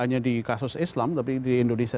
hanya di kasus islam tapi di indonesia